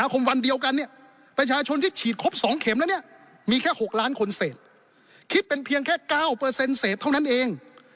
คิดเป็นเพียงแค่๙เสร็จเท่านั้นเอง